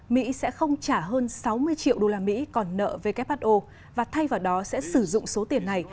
mỹ sẽ không trả hơn sáu mươi triệu đô la mỹ còn nợ who và thay vào đó sẽ sử dụng số tiền này